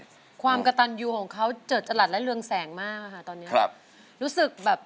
พลังความกระตันอยู่ของเขาเจริญระหลต์และเรืองแสงมากค่ะ